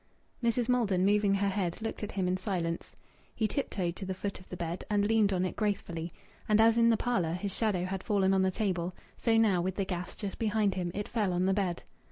Mrs. Maldon, moving her head, looked at him in silence. He tiptoed to the foot of the bed and leaned on it gracefully. And as in the parlour his shadow had fallen on the table, so now, with the gas just behind him, it fell on the bed.